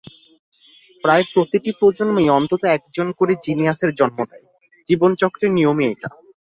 প্রায় প্রতিটি প্রজন্মই অন্তত একজন করে জিনিয়াসের জন্ম দেয়, জীবনচক্রের নিয়মই এটা।